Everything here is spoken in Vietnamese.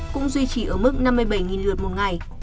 cũng duy trì ở mức năm mươi bảy lượt một ngày